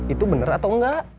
itu bener atau enggak